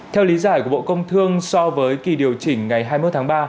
theo lý giải của bộ công thương so với kỳ điều chỉnh ngày hai mươi một tháng ba